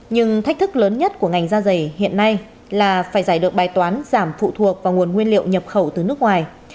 nhưng thách thức lớn nhất của ngành da dày hiện nay là phải giải được bài toán giảm phụ thuộc vào nguồn nguyên liệu nhập khẩu từ nước ngoài